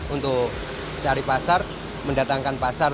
untuk cari pasar mendatangkan pasar